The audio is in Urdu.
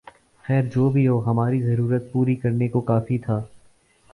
خیر جو بھی ہو ہماری ضرورت پوری کرنے کو کافی تھا